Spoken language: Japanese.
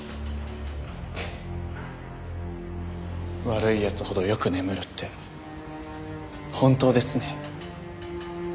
悪い奴ほどよく眠るって本当ですね。